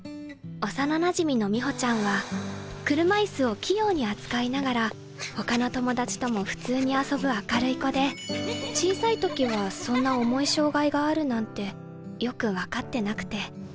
幼なじみの美穂ちゃんは車椅子を器用に扱いながら他の友達とも普通に遊ぶ明るい子で小さい時はそんな重い障害があるなんてよく分かってなくて。